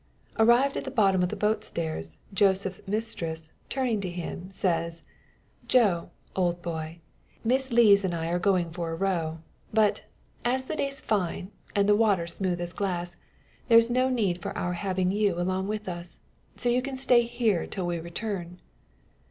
Arrived at the bottom of the boat stairs, Joseph's mistress, turning to him, says "Joe, old boy, Miss Lees and I are going for a row. But, as the day's fine, and the water smooth as glass, there's no need for our having you along with us. So you can stay here till we return."